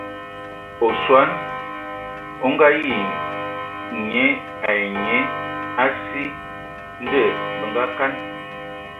Osɔn o Ngaayi nyian ai nye a si. Ndɔ bə ngakaan.